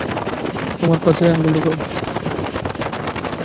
আমার পাছায় আঙুল ঢুকাও!